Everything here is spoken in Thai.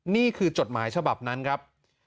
จดหมายฉบับนั้นครับ